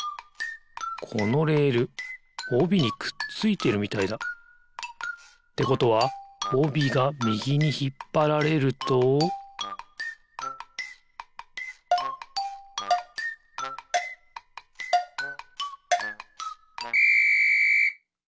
このレールおびにくっついてるみたいだ。ってことはおびがみぎにひっぱられるとピッ！